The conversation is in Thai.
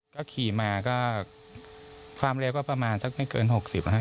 ก็ขี่มาก็ความเร็วก็ประมาณสักไม่เกิน๖๐นะครับ